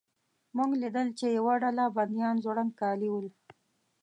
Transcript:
موږ لیدل چې یوه ډله بندیان زوړند کالي ول.